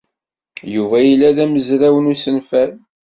Yuba yella d amezraw n umsenfal.